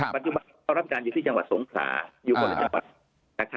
ปัจจุบันเขารับการอยู่ที่จังหวัดสงขลาอยู่คนละจังหวัด